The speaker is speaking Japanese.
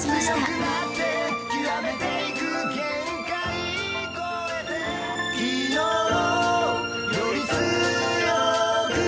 「強くなって極めていく」「限界超えて」「昨日より強く」